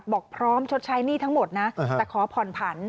บอกพร้อมชดใช้หนี้ทั้งหมดนะแต่ขอผ่อนผัน